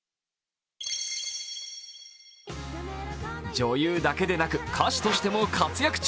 女優だけでなく歌手としても活躍中。